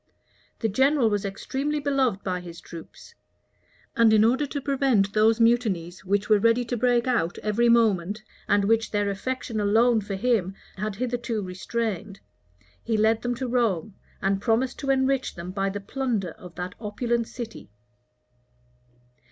The general was extremely beloved by his troops; and in order to prevent those mutinies which were ready to break out every moment, and which their affection alone for him had hitherto restrained, he led them to Rome, and promised to enrich them by the plunder of that opulent city.